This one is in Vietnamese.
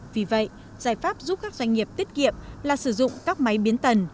vì vậy giải pháp giúp các doanh nghiệp tiết kiệm là sử dụng các máy biến tần